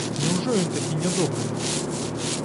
Няўжо ён такі нядобры?